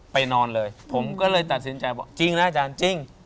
นอนเลยผมก็เลยตัดสินใจบอกจริงนะอาจารย์จริง